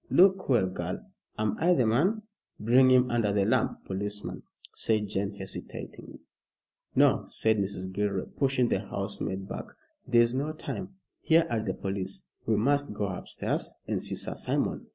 Look well, girl. Am I the man?" "Bring him under the lamp, policeman," said Jane, hesitating. "No!" said Mrs. Gilroy, pushing the housemaid back, "there is no time. Here are the police. We must go upstairs and see Sir Simon.